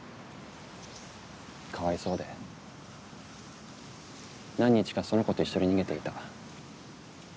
かわいそうで何日かその子と一緒に逃げていた。